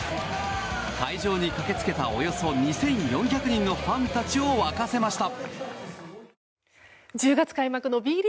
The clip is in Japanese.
会場に駆け付けたおよそ２４００人のファンたちを沸かせました。